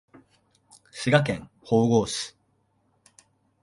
滋賀県豊郷町